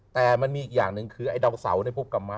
แต่มันมีอีกอย่างหนึ่งคือเดาเสาในพวกกรรมะ